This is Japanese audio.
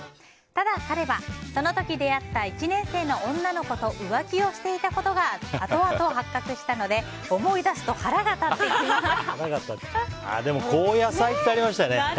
ただ、彼はその時出会った１年生の女の子と浮気をしていたことが後々、発覚したので思い出すと腹が立ってきます。